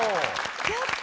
やった！